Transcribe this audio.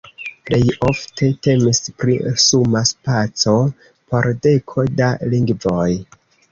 Plej ofte temis pri suma spaco por deko da lingvoj.